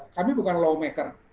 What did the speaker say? kami bukan lawmaker